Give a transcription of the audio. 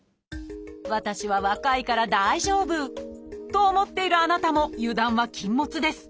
私は若いから大丈夫！と思っているあなたも油断は禁物です。